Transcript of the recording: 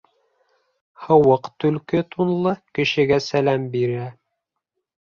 Һыуыҡ төлкө тунлы кешегә сәләм бирә